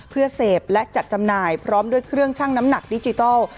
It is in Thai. เพื่อเสพและจัดจำหน่ายพร้อมด้วยเครื่องชั่งน้ำหนักดิจิทัล